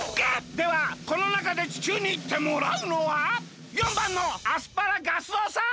ではこのなかで地球にいってもらうのは４ばんのアス原ガス男さん！